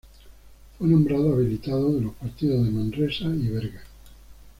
Fue nombrado habilitado de los partidos de Manresa y Berga.